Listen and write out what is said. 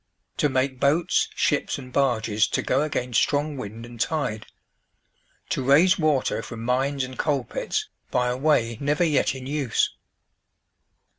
To make boats, ships, and barges to go against strong wind and tide. To raise water from mines and coal pits by a way never yet in use."